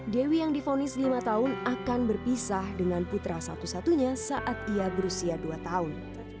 dewi yang difonis lima tahun akan berpisah dengan putra satu satunya saat ia berusia dua tahun